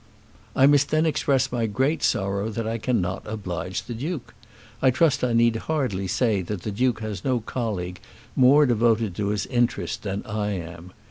"I must then express my great sorrow that I cannot oblige the Duke. I trust I need hardly say that the Duke has no colleague more devoted to his interest than I am.